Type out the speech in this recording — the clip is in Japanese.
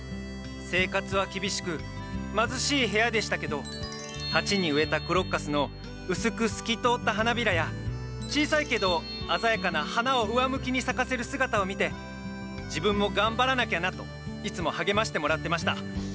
生活は厳しく貧しい部屋でしたけど鉢に植えたクロッカスの薄く透き通った花びらや小さいけど鮮やかな花を上向きに咲かせる姿を見て自分も頑張らなきゃなといつも励ましてもらってました。